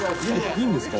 いいんですか？